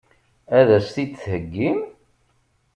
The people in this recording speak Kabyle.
Ad as-t-id-theggim?